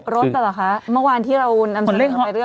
รถแต่ล่ะคะเมื่อวานที่เรานำสนุนไปเลือก